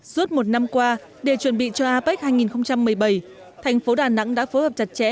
suốt một năm qua để chuẩn bị cho apec hai nghìn một mươi bảy thành phố đà nẵng đã phối hợp chặt chẽ